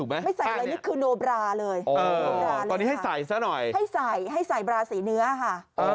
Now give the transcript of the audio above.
ให้ใส่ให้ใส่บราสีเนื้อค่ะ